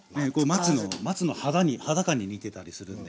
松の肌感に似てたりするんで。